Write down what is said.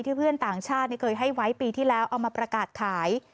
เพื่อนต่างชาติเคยให้ไว้ปีที่แล้วเอามาประกาศขาย